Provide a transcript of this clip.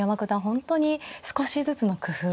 本当に少しずつの工夫